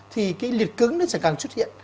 thì cái liệt cứng nó sẽ càng xuất hiện